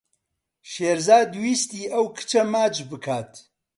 شێرزاد ویستی ئەو کچە ماچ بکات.